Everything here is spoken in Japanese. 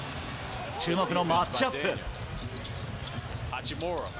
注目のマッチアップ。